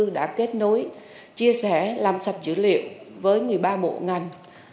đã kết nối chia sẻ làm sạch dữ liệu với một mươi ba bộ ngành